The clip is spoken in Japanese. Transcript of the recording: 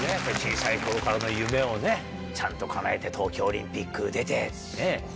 小さい頃からの夢をちゃんとかなえて東京オリンピック出てねっ。